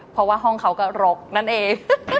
เพราะว่าห้องเขาก็รกนั่นเอง